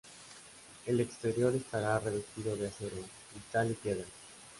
El exterior estará revestido de acero, cristal y piedra.